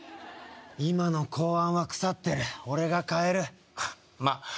今の公安は腐ってる俺が変えるまっ